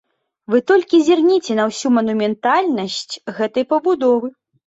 Вы толькі зірніце на ўсю манументальнасць гэтай пабудовы.